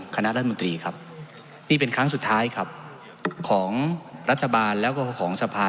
คณะรัฐมนตรีครับนี่เป็นครั้งสุดท้ายครับของรัฐบาลแล้วก็ของสภา